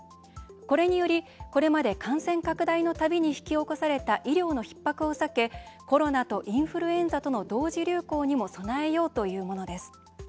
これにより、これまで感染拡大のたびに引き起こされた医療のひっ迫を避けコロナとインフルエンザとの同時流行にも備えようというものです。